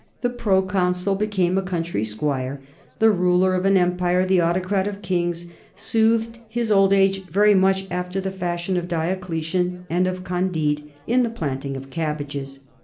The proconsul became a country squire; the ruler of an empire, the autocrat of kings, soothed his old age very much after the fashion of Diocletian and of Candide, in the planting of cabbages.